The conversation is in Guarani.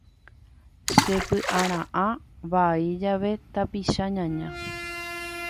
Chepy'ara'ã vai jave tapicha ñaña.